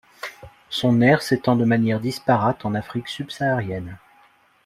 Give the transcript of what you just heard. Son aire s'étend de manière disparate en Afrique subsaharienne.